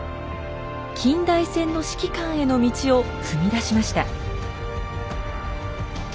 近代戦の指揮官への道を踏み出しました。